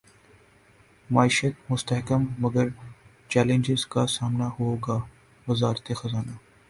معیشت مستحکم مگر چیلنجز کا سامنا ہوگا وزارت خزانہ